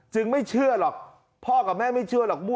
ไม่เชื่อหรอกพ่อกับแม่ไม่เชื่อหรอก